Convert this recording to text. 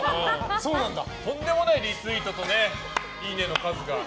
とんでもないリツイートといいねの数が。